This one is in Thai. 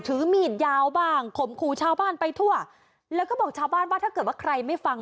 ถือมีดยาวบ้างข่มขู่ชาวบ้านไปทั่วแล้วก็บอกชาวบ้านว่าถ้าเกิดว่าใครไม่ฟัง